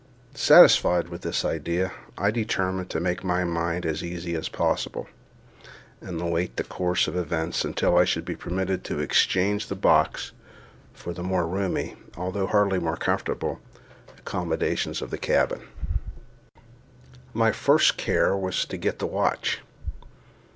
Satisfied with this idea, I determined to make my mind as easy as possible, and await the course of events until I should be permitted to exchange the box for the more roomy, although hardly more comfortable, accommodations of the cabin. My first care was to get the watch.